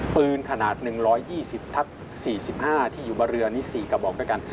ปืนขนาด๑๒๐๔๕ที่อยู่บนเรือนี้๔กระบอกด้วยกัน